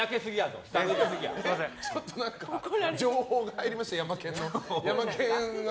情報が入りました、ヤマケンの。